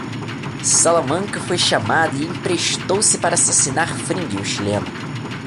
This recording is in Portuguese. Salamanca foi chamado e emprestou-se para assassinar Fring, o chileno.